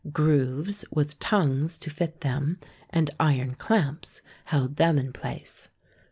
Grooves with tongues to fit them, and iron clamps held them in place.